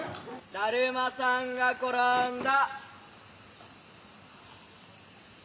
だるまさんが転んだ。